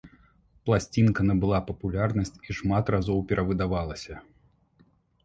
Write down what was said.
Пласцінка набыла папулярнасць і шмат разоў перавыдавалася.